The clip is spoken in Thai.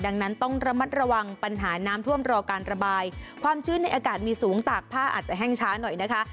ดังนั้นต้องระมัดระวังปัญหาน้ำท่วมรอการระบายความชื้นในอากาศมีสูงตากผ้าอาจจะแห้งช้าหน่อยนะคะ